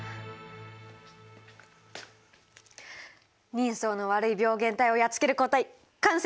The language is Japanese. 人相の悪い病原体をやっつける抗体完成しました！